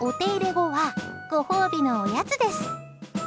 ご褒美のおやつです。